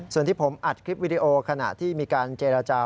ส่วนที่ผมอัดคลิปวิดีโอขณะที่มีการเจรจา